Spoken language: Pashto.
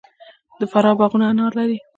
د فراه باغونه انار لري.